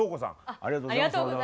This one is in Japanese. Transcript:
ありがとうございます。